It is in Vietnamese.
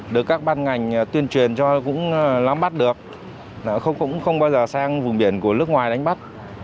được các ban ngành tuyên truyền cũng lắm bắt được không bao giờ sang vùng biển của nước ngoài đánh bắt